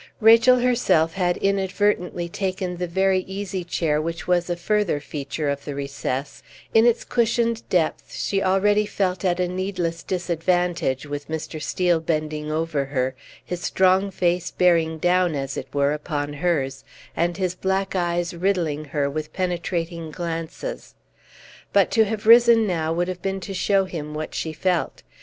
Rachel herself had inadvertently taken the very easy chair which was a further feature of the recess; in its cushioned depths she already felt at a needless disadvantage, with Mr. Steel bending over her, his strong face bearing down, as it were, upon hers, and his black eyes riddling her with penetrating glances. But to have risen now would have been to show him what she felt.